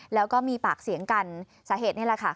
แล้วก็มีปากเสียงกันสาเหตุนี่แหละค่ะ